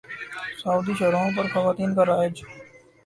سعودی شاہراہوں پر خواتین کا راج